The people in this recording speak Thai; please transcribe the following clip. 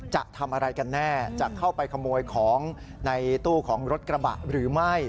จะทำอะไรกันแน่จะเข้าไปขโมยของในตู้ของรถกระบะหรือไม่